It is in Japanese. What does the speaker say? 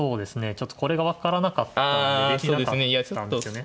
ちょっとこれが分からなかったんでできなかったんですよね。